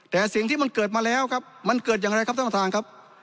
แต่สิ่งที่มันเกิดมาแล้วครับมันเกิดอย่างไรครับท่านประธานครับ